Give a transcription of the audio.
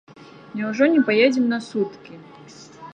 Няўжо не паедзем на суткі?